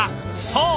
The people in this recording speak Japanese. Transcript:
そう！